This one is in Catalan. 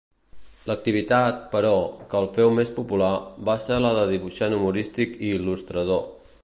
L'activitat, però, que el féu més popular, va ser la de dibuixant humorístic i il·lustrador.